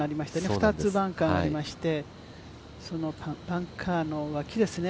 ２つバンカーがありましてバンカーの脇ですね